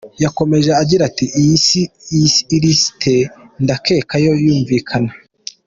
Yakomeje agira ati “ Iyi lisiti ndakeka ko yumvikana.